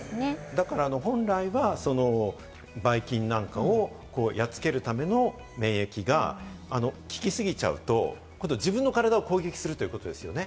だから本来は、ばい菌なんかをやっつけるための免疫が効きすぎちゃうと自分の体を攻撃するということですよね？